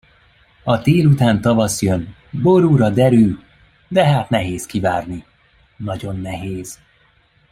A tél után tavasz jön, borúra derű, de hát nehéz kivárni, nagyon nehéz.